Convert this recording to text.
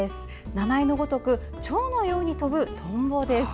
名前のごとくチョウのように飛ぶトンボです。